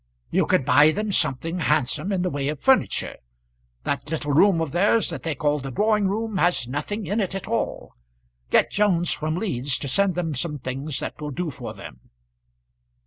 "You could buy them something handsome, in the way of furniture. That little room of theirs that they call the drawing room has nothing in it at all. Get Jones from Leeds to send them some things that will do for them."